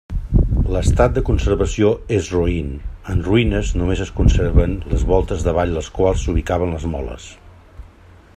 L'estat de conservació és roín, en ruïnes; només es conserven les voltes davall les quals s'ubicaven les moles.